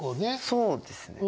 そうですね。